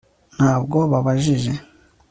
ntabwo babajije